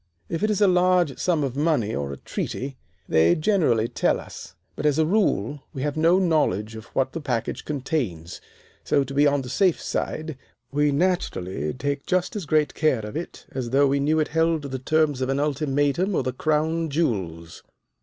If it is a large sum of money or a treaty, they generally tell us. But, as a rule, we have no knowledge of what the package contains; so, to be on the safe side, we naturally take just as great care of it as though we knew it held the terms of an ultimatum or the crown jewels.